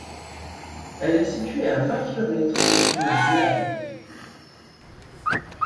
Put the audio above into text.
Elle est située à vingt kilomètres au sud de Vehari.